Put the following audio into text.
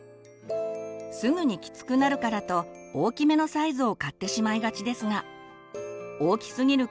すぐにきつくなるからと大きめのサイズを買ってしまいがちですが大きすぎる